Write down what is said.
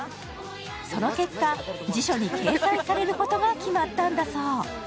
その結果、辞書に掲載されることが決まったんだそう。